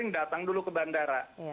datang dulu ke bandara